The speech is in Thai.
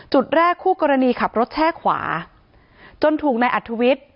จุดแรกคู่กรณีขับรถแช่ขวาจนถูกนายอัธวิทย์